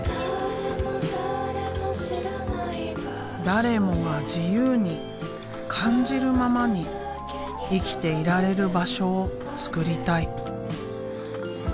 誰もが自由に感じるままに生きていられる場所を作りたい。